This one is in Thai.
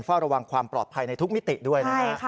เฝ้าระวังความปลอดภัยในทุกมิติด้วยนะฮะ